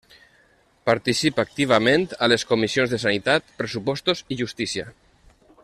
Participa activament a les Comissions de Sanitat, Pressupostos i Justícia.